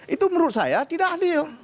itu menurut saya tidak adil